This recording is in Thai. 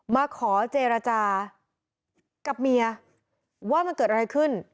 มาขอเจรจากับเมียว่ามันเกิดอะไรขึ้น